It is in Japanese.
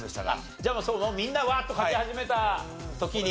じゃあみんなワーッと書き始めた時に。